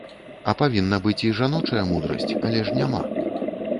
А павінна быць і жаночая мудрасць, але ж няма.